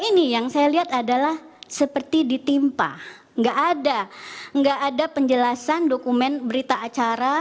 ini yang saya lihat adalah seperti ditimpa enggak ada enggak ada penjelasan dokumen berita acara